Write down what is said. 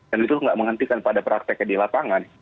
dan itu nggak menghentikan pada prakteknya di lapangan